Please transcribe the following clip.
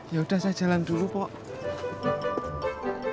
ya udah saya jalan dulu pak